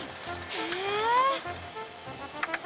へえ。